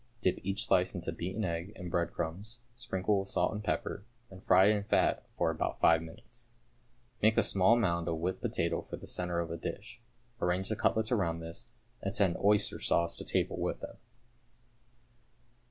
Dip each slice into beaten egg and breadcrumbs, sprinkle with salt and pepper, and fry in fat for about five minutes. Make a small mound of whipped potato for the centre of a dish, arrange the cutlets round this, and send oyster sauce to table with them.